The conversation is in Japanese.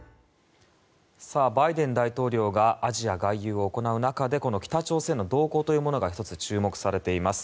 バイデン大統領がアジア外遊を行う中でこの北朝鮮の動向というものが１つ注目されています。